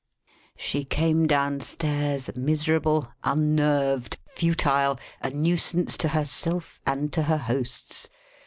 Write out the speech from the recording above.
She came downstairs miserable, unnerved, futile, a nuisance to herself and to her hosts.